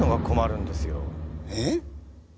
えっ？